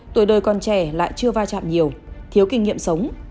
tuổi đời còn trẻ lại chưa va chạm nhiều thiếu kinh nghiệm sống